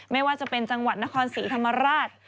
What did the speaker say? ไม่ว่าจะเป็นจังหวัดนครศรีธรรมราช